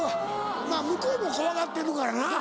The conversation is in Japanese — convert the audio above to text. まぁ向こうも怖がってるからな。